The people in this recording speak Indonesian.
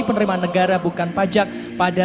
penerimaan negara bukan pajak pada